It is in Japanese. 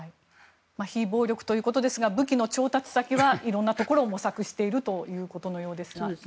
非暴力ということですが武器の調達先は色んなところを模索しているということのようですが。